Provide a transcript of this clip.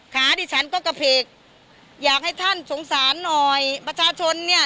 ขาดิฉันก็กระเพกอยากให้ท่านสงสารหน่อยประชาชนเนี่ย